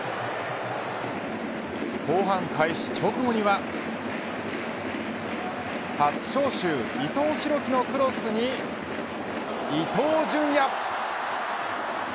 後半開始直後には初招集、伊藤太輝のクロスに伊東純也。